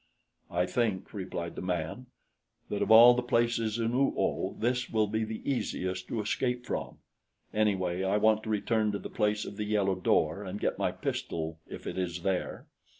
"I think," replied the man, "that of all the places in Oo oh this will be the easiest to escape from. Anyway, I want to return to the place of the yellow door and get my pistol if it is there."